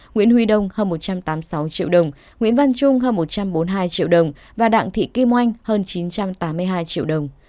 nguyễn huy đông hơn một trăm tám mươi sáu triệu đồng nguyễn văn trung hơn một trăm bốn mươi hai triệu đồng và đặng thị kim oanh hơn chín trăm tám mươi hai triệu đồng